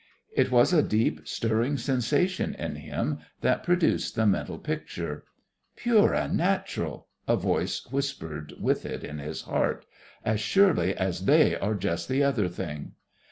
It was a deep, stirring sensation in him that produced the mental picture. "Pure and natural," a voice whispered with it in his heart, "as surely as they are just the other thing!"